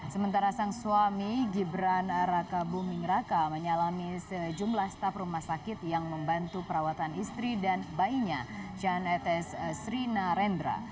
sementara sang suami gibran raka buming raka menyalami sejumlah staf rumah sakit yang membantu perawatan istri dan bayinya jan etes srina rendra